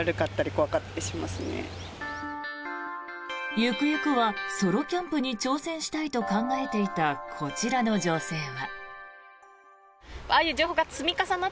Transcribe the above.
行く行くはソロキャンプに挑戦したいと考えていたこちらの女性は。